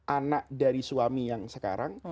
anak dari suami yang sekarang